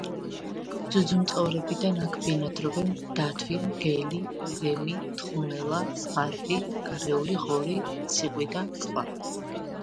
ძუძუმწოვრებიდან აქ ბინადრობენ დათვი, მგელი, ირემი, თხუნელა, ზღარბი, გარეული ღორი, ციყვი და სხვა